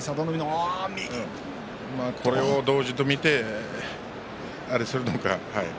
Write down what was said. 同時と見てあれするのか。